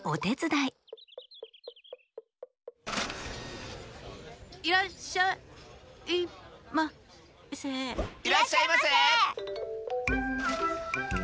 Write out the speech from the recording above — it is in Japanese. いらっしゃいませ！